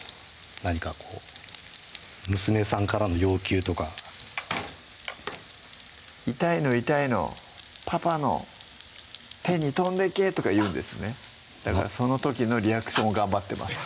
何かこう娘さんからの要求とか「痛いの痛いのパパの手に飛んでけ！」とか言うんですねだからその時のリアクションを頑張ってます